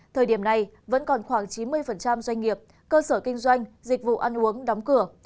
thời điểm này vẫn còn khoảng chín mươi doanh nghiệp cơ sở kinh doanh dịch vụ ăn uống đóng cửa